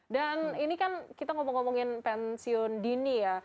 dan ini kan kita ngomong ngomongin pensiun dini ya